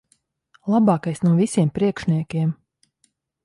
Labākais no visiem priekšniekiem.